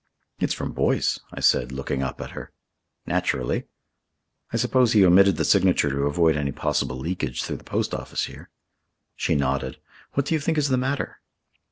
"It's from Boyce," I said, looking up at her. "Naturally." "I suppose he omitted the signature to avoid any possible leakage through the post office here." She nodded. "What do you think is the matter?"